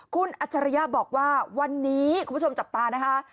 คุณอัจฉริยะบอกว่าวันนี้คุณผู้ชมจับตานะคะ